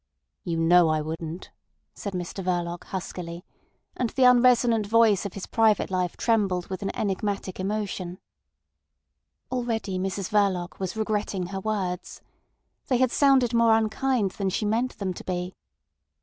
"You know I wouldn't," said Mr Verloc huskily, and the unresonant voice of his private life trembled with an enigmatical emotion. Already Mrs Verloc was regretting her words. They had sounded more unkind than she meant them to be.